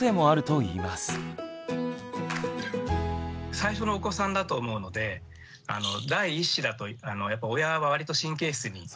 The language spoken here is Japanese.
最初のお子さんだと思うので第一子だとやっぱ親は割と神経質になるんですね。